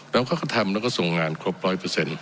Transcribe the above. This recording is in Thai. แล้วเขาก็ทำแล้วก็ส่งงานครบร้อยเปอร์เซ็นต์